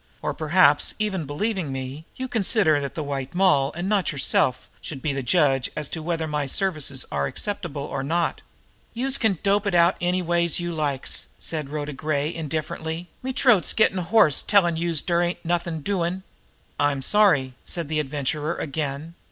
Or perhaps, even believing me, you consider that the White Moll, and not yourself, should be the judge as to whether my services are acceptable or not?" "Youse can dope it out any way youse likes," said Rhoda Gray indifferently. "Me t'roat's gettin' hoarse tellin' youse dere's nothin' doin'!" "I'm sorry," said the Adventurer again.